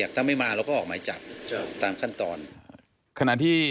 หากผู้ต้องหารายใดเป็นผู้กระทำจะแจ้งข้อหาเพื่อสรุปสำนวนต่อพนักงานอายการจังหวัดกรสินต่อไป